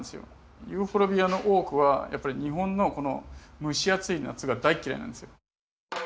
ユーフォルビアの多くはやっぱり日本のこの蒸し暑い夏が大嫌いなんですよ。